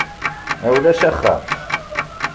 Ulac axxam.